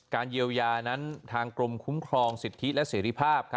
เยียวยานั้นทางกรมคุ้มครองสิทธิและเสรีภาพ